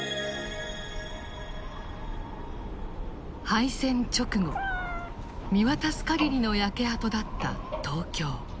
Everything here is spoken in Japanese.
敗戦直後見渡す限りの焼け跡だった東京。